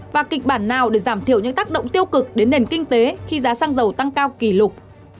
và kịch bản nào để giảm thiểu những tác động tiêu cực đến nền kinh tế khi giá xăng dầu tăng cao kỷ lục